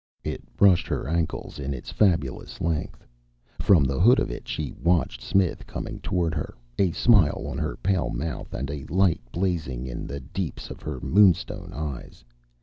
It brushed her ankles in its fabulous length. From the hood of it she watched Smith coming toward her, a smile on her pale mouth and a light blazing in the deeps of her moonstone eyes.